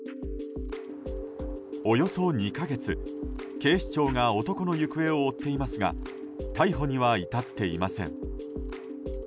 およそ２か月、警視庁が男の行方を追っていますが逮捕には至っていません。